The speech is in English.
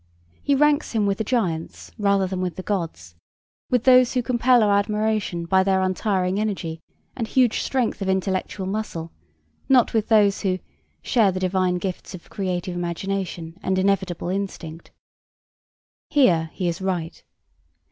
He ranks him with the giants rather than with the gods, with those who compel our admiration by their untiring energy and huge strength of intellectual muscle, not with those 'who share the divine gifts of creative imagination and inevitable instinct.' Here he is right.